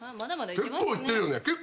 結構いってるよね。